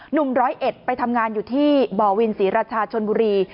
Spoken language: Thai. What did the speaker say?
ร้อยเอ็ดไปทำงานอยู่ที่บ่อวินศรีราชาชนบุรี